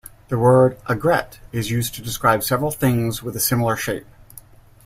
The word "aigrette" is used to describe several things with a similar shape.